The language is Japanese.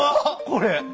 これ。